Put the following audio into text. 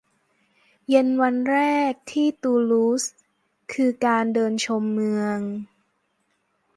เย็นวันแรกที่ตูลูสคือการเดินชมเมือง